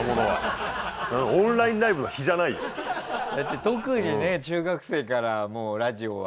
だって特に中学生からもうラジオは。